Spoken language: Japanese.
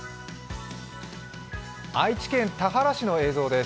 愛知県田原市の映像です。